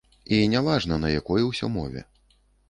І не важна, на якой усё мове.